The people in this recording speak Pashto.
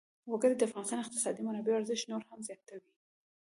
وګړي د افغانستان د اقتصادي منابعو ارزښت نور هم زیاتوي.